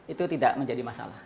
itu tidak menjadi masalah